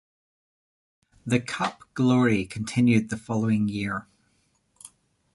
The cup glory continued the following year.